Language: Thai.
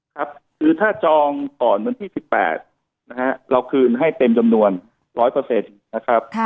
ครับคือถ้าจองก่อนวันที่๑๘นะฮะเราคืนให้เต็มจำนวน๑๐๐นะครับ